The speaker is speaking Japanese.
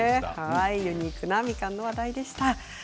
ユニークなみかんの話題でした。